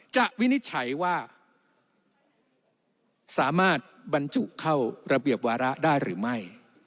วินิจฉัยว่าสามารถบรรจุเข้าระเบียบวาระได้หรือไม่